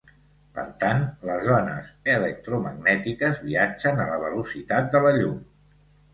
Per tant, les ones electromagnètiques viatgen a la velocitat de la llum.